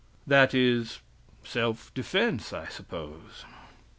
(That is self defense, I suppose!)